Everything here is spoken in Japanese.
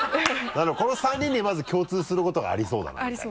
なるほどこの３人にまず共通することがありそうだなみたいな。